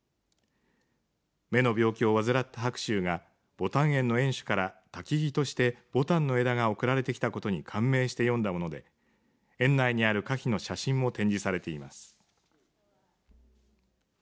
目の病気を患った白秋がぼたん園の園主から薪としてぼたんの枝が贈られてきたことに感銘して詠んだもので園内にある歌碑の写真も展示されています。